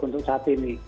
untuk saat ini